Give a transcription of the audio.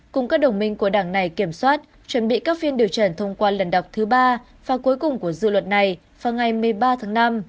cùng các đồng minh của đảng này kiểm soát chuẩn bị các phiên điều trần thông qua lần đọc thứ ba và cuối cùng của dự luật này vào ngày một mươi ba tháng năm